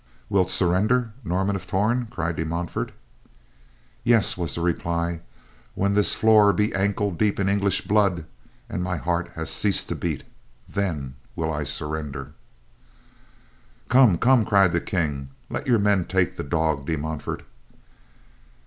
"Wilt surrender, Norman of Torn?" cried De Montfort. "Yes," was the reply, "when this floor be ankle deep in English blood and my heart has ceased to beat, then will I surrender." "Come, come," cried the King. "Let your men take the dog, De Montfort!"